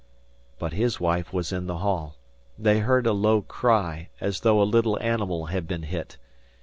But his wife was in the hall. They heard a low cry, as though a little animal had been hit.